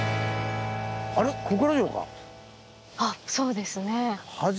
あそうですね。